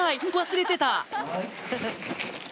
忘れてた！